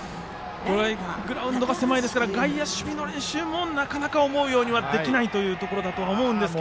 グラウンドが狭いので外野守備の練習もなかなか思うようにできないところだと思うんですが。